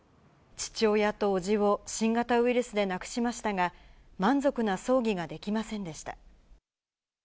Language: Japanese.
父親と叔父を新型ウイルスで亡くしましたが、満足な葬儀ができませんでした。